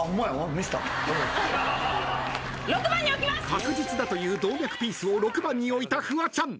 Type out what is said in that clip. ［確実だという動脈ピースを６番に置いたフワちゃん。